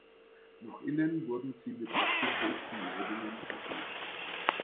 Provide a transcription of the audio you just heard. Nach innen wurden sie mit abgeschrägten Laibungen versehen.